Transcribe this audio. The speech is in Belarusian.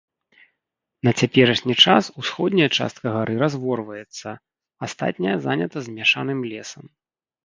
На цяперашні час усходняя частка гары разворваецца, астатняя занята змяшаным лесам.